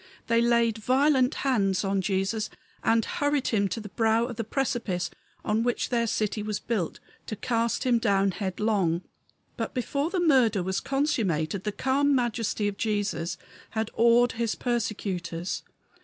They laid violent hands on Jesus and hurried him to the brow of the precipice on which their city was built, to cast him down headlong. But before the murder was consummated the calm majesty of Jesus had awed his persecutors.